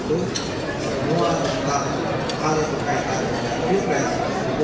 dan kemudian kita terima kasih lagi hasil hasil itu